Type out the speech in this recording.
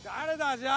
じゃあ。